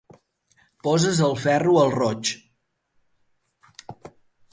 Poses el ferro al roig.